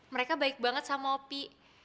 mereka baik banget sama ngopi